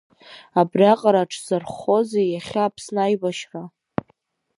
Абриаҟара аҽзарххозеи иахьа Аԥсны аибашьра?